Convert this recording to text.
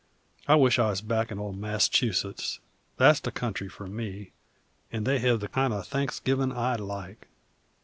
I wish I was back in ol' Mass'chusetts that's the country for me, and they hev the kind o' Thanksgivin' I like!"